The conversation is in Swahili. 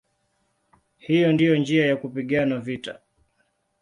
Hiyo ndiyo njia ya kupigana vita".